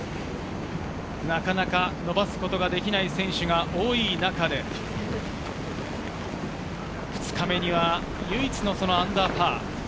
なかなか伸ばすことができない選手が多い中で、２日目には唯一のアンダーパー。